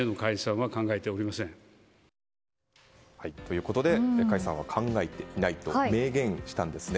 ということで解散は考えていないと明言したんですね。